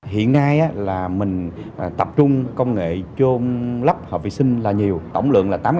hiện nay mình tập trung công nghệ chôm lấp hợp vệ sinh là nhiều tổng lượng là tám chín trăm linh